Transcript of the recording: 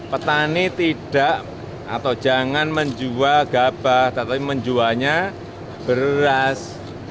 petani tidak atau jangan menjual gabah tetapi menjualnya beras